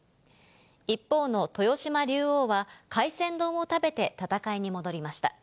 一方の豊島竜王は、海鮮丼を食べて戦いに戻りました。